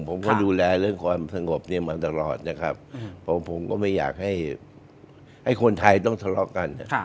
ผมก็ดูแลเรื่องความสงบเนี่ยมาตลอดนะครับผมก็ไม่อยากให้คนไทยต้องทะเลาะกัน